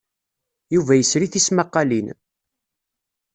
Yuba yesri tismaqqalin.